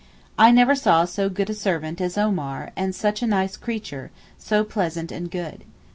I never saw so good a servant as Omar and such a nice creature, so pleasant and good.